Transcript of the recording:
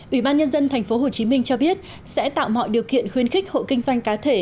ủy ban nhân dân tp hcm cho biết sẽ tạo mọi điều kiện khuyên khích hộ kinh doanh cà phê